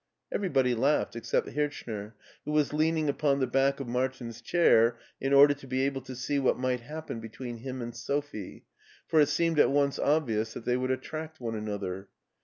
Everybody laughed, except Hirchner, who was lean ing upon the back of Martin's chair in wder to be able to see what might happen between him and Sophie, for it seemed at once obvious that they would attract one another.